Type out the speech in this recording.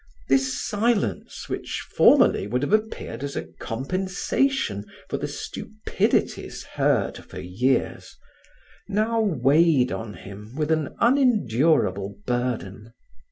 This silence which formerly would have appeared as a compensation for the stupidities heard for years, now weighed on him with an unendurable burden.